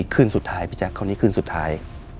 คืนสุดท้ายพี่แจ๊คคราวนี้คืนสุดท้าย